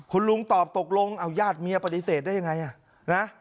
คุณลุงตอบตกลงเอาญาติเมียปฏิเสธได้ยังไงนะ